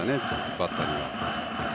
バッターには。